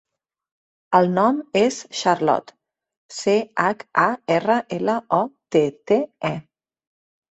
El nom és Charlotte: ce, hac, a, erra, ela, o, te, te, e.